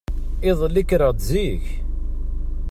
Iḍelli kkreɣ-d zik.